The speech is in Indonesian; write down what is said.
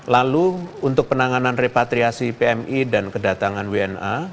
lalu untuk penanganan repatriasi pmi dan kedatangan wna